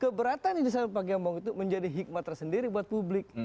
keberatan yang disampaikan pak gembong itu menjadi hikmat tersendiri buat publik